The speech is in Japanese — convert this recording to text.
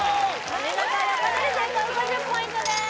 お見事横取り成功５０ポイントです